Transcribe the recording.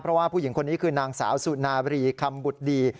เพราะว่าผู้หญิงคนนี้คือนางสาวสุนาบรีคำบุตรดี